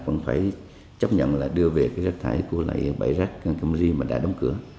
vẫn phải chấp nhận là đưa về cái rác thải của bãi rác cam ly mà đã đóng cửa